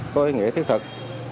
có ý nghĩa thiết thực